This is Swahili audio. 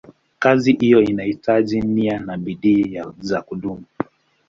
Kazi hiyo inahitaji nia na bidii za kudumu.